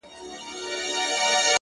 زحمت د راتلونکي حاصل خېزي زیاتوي،